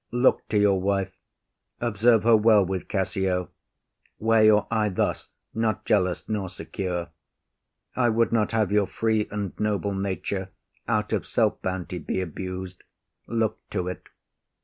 Look to your wife; observe her well with Cassio; Wear your eye thus, not jealous nor secure. I would not have your free and noble nature, Out of self bounty, be abus’d. Look to’t.